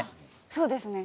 そうですね。